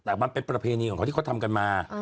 ตามันเป็นประเภทนี้ของเขาที่เค้าทำกันมา